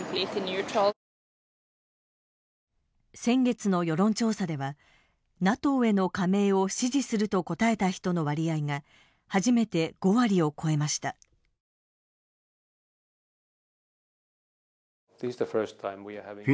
先月の世論調査ではＮＡＴＯへの加盟を支持すると答えた人の割合が初めて５割を超えました。